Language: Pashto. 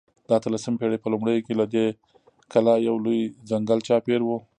د اتلسمې پېړۍ په لومړیو کې له دې کلا یو لوی ځنګل چاپېر و.